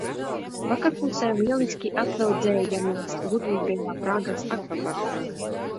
Vakarpusē lieliski atveldzējamies burvīgajā Prāgas akvaparkā.